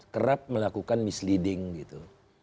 kerap melakukan misleading gitu